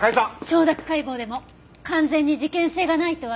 承諾解剖でも完全に事件性がないとは言えません。